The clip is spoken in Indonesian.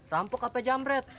rampok kp jamret